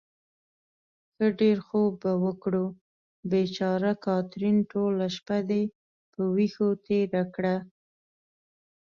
ښه ډېر خوب به وکړو. بېچاره کاترین، ټوله شپه دې په وېښو تېره کړه.